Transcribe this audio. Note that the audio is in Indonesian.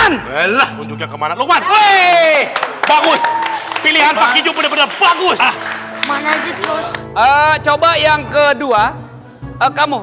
lelah munculnya kemarauan weh bagus pilihan pak jukudep bagus mana jika coba yang kedua kamu